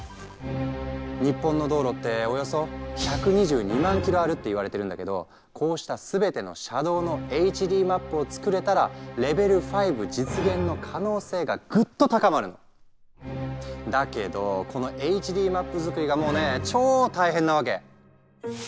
日本の道路っておよそ１２２万ｋｍあるって言われてるんだけどこうした全ての車道のＨＤマップを作れたらレベル５実現の可能性がぐっと高まるの。だけどこのＨＤマップ作りがもうね超大変なわけ。